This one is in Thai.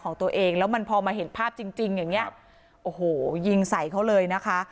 ของตัวเองแล้วมันพอมาเห็นภาพจริงจริงอย่างเงี้ยโอ้โหยิงใส่เขาเลยนะคะ